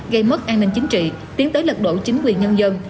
gây mất an ninh chính trị tiến tới lật đổ chính quyền nhân dân